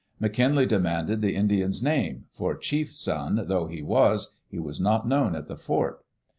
McKinlay demanded the Indian's name, for chief's son though he was he was not known at the fort.